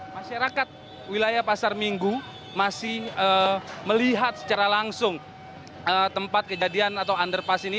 masyarakat wilayah pasar minggu masih melihat secara langsung tempat kejadian atau underpass ini